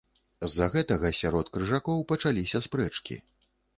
З-за гэтага сярод крыжакоў пачаліся спрэчкі.